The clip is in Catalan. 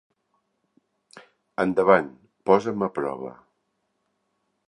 Endavant, posa'm a prova.